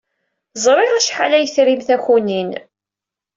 Ẓriɣ acḥal ay trim takunin.